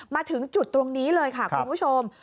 มาถึงจุดตรงนี้เลยค่ะคุณผู้ชม